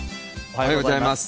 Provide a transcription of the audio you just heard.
おはようございます。